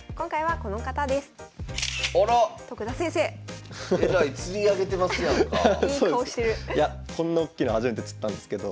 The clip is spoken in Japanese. こんなおっきいの初めて釣ったんですけど。